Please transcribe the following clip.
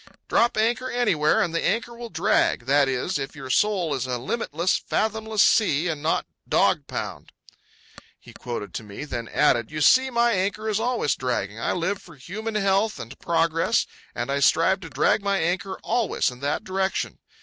"Drop anchor anywhere and the anchor will drag—that is, if your soul is a limitless, fathomless sea, and not dog pound," he quoted to me, then added: "You see, my anchor is always dragging. I live for human health and progress, and I strive to drag my anchor always in that direction.